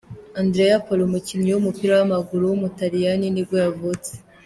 Andrea Poli, umukinnyi w’umupira w’amaguru w’umutaliyani nibwo yavutse.